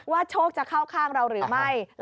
โชคจะเข้าข้างเราหรือไม่